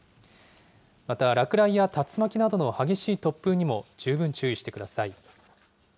また、落雷や竜巻などの激しい突風にも十分注意してください。